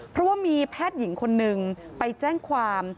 เพราะว่ามีแพทย์หญิงคนนึงไปแจ้งความ